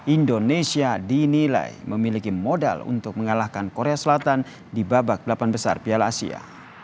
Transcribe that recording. indonesia dinilai memiliki modal untuk mengalahkan korea selatan di babak delapan besar piala asia